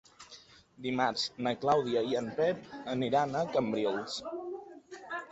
Dimarts na Clàudia i en Pep aniran a Cambrils.